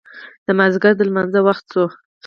د مازدیګر د لمانځه وخت شو.